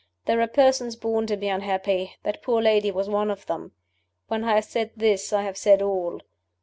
There are persons born to be unhappy. That poor lady was one of them. When I have said this, I have said all.